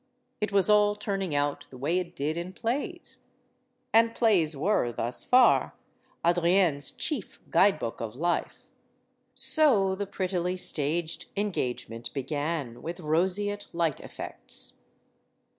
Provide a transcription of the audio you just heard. It was all turning out the way it did in plays. And plays were, thus far, Adrienne* s chief guidebook of life. So the prettily staged engagement began; with roseate light effects.